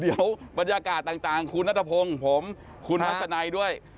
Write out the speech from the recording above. เดี๋ยวบรรยากาศต่างคุณนัทพงศ์ผมคุณทัศนัยด้วย